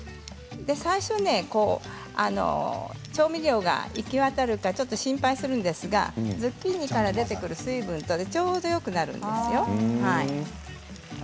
最初ね、調味料が行き渡るか心配するんですけれどズッキーニから出てくる水分とちょうどよくなるんですよ。